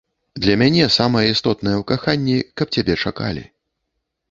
Для мяне самае істотнае ў каханні, каб цябе чакалі.